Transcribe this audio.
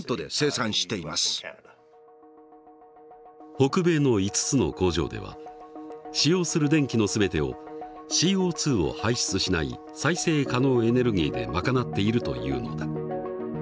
北米の５つの工場では使用する電気の全てをＣＯを排出しない再生可能エネルギーで賄っているというのだ。